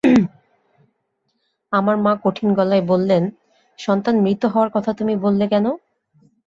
আমার মা কঠিন গলায় বললেন, সন্তান মৃত হওয়ার কথা তুমি বললে কেন?